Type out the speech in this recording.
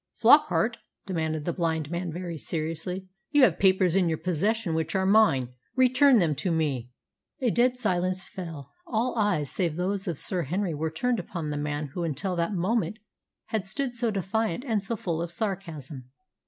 "Flockart," demanded the blind man very seriously, "you have papers in your possession which are mine. Return them to me." A dead silence fell. All eyes save those of Sir Henry were turned upon the man who until that moment had stood so defiant and so full of sarcasm.